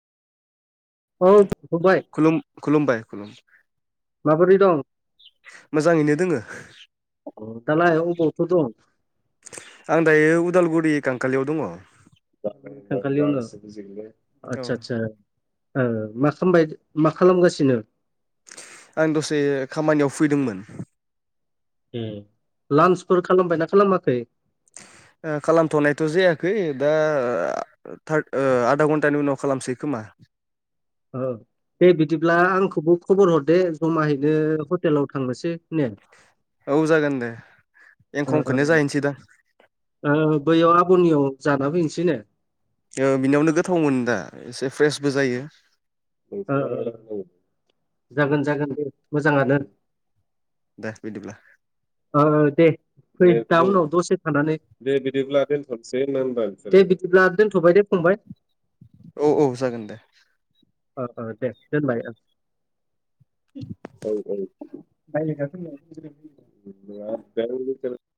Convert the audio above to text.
औ फंबाय खुलुम खुलुमबाय माबोरै दं मोजाङैनो दोङो दालाय अबावथो दं आं दायो उदालगुरि खांखालियाव दङ [unintelligible] आतसा आतसा ओ मा खालामबाय मा खालामगासिनो आं दसे खामानियाव फैदोंमोन ए लान्सफोर खालामबायना खालामाखै ओ खालामथनायथ जायाखै दा टाथ आधा घन्टानि उनाव खालामसै खोमा औ दे बिदिब्ला आंखौबो खबर हरदो जमाहैनो हटेलाव थांनोसै ने औ जागोन दे ओ एंखंखौनो ओ जाहैनोसैदा ओ बैयाव आबनियाव जाना फैनोसै ने ओ बिनियावनो गोथावमोन दा एसे फ्रेसबो जायो [unintelligible] जागोन जागोन दे मोजाङानो दे बिदिब्ला। ओ ओ दे फै दा उनाव दसे थानानै दे बिदिब्ला दोनथ'नोसै होना होनबा आं। दे बिदिब्ला दोनथ'बाय दे फंबाय। औ औ जागोन दे अ अ दे दोनबाय ओं औ औ [unintelligible] [unintelligible]